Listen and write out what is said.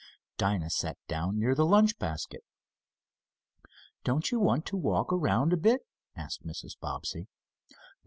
Dinah sat down near the lunch basket. "Don't you want to walk around a bit?" asked Mrs. Bobbsey.